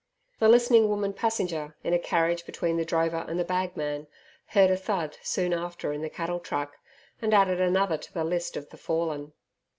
The listening woman passenger, in a carriage between the drover and the bagman, heard a thud soon after in the cattle truck, and added another to the list of the fallen.